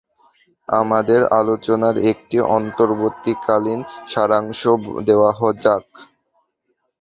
আমাদের আলোচনার একটি অন্তর্বর্তীকালীন সারাংশ দেওয়া যাক।